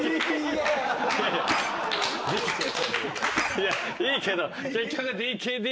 いやいいけど。